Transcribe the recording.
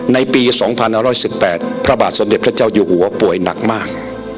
ในปี๒๑๑๘พระบาทสมเด็จพระเจ้าอยู่หัวป่วยหนักมาก